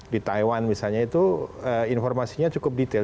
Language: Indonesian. di taiwan misalnya itu informasinya cukup detail